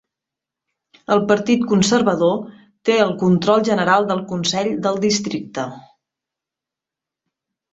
El Partit Conservador té el control general del consell del districte.